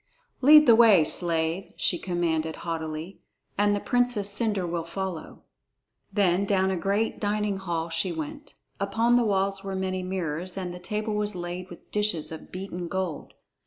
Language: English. "Lead the way, slave," she commanded haughtily, "and the Princess Cendre will follow." Then down to a great dining hall she went. Upon the walls were many mirrors, and the table was laid with dishes of beaten gold.